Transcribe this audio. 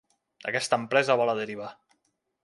Aquesta empresa va a la deriva.